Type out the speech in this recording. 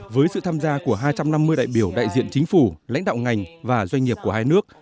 với sự tham gia của hai trăm năm mươi đại biểu đại diện chính phủ lãnh đạo ngành và doanh nghiệp của hai nước